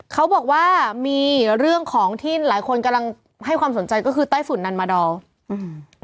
เขาบอกว่ามีเรื่องของที่หลายคนกำลังให้ความสนใจก็คือไต้ฝุ่นนันมาดอลอืม